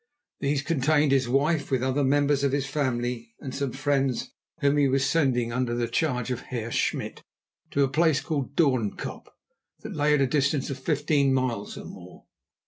These contained his wife with other members of his family, and some friends whom he was sending, under the charge of the Heer Smit, to a place called Doornkop, that lay at a distance of fifteen miles or more.